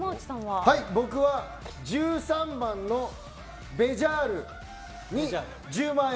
僕は１３番のベジャールに１０万円。